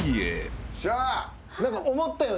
しゃあ。